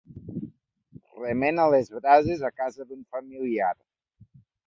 Remena les brases a casa d'un familiar.